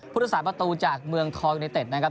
ผู้ทศาสตร์ประตูจากเมืองทอร์เกเนตเต็ดนะครับ